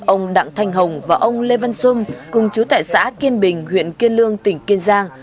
ông đặng thanh hồng và ông lê văn xung cùng chú tại xã kiên bình huyện kiên lương tỉnh kiên giang